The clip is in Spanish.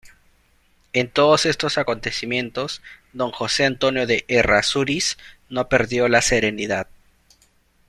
En todos estos acontecimientos, don Jose Antonio de Errázuriz no perdió la serenidad.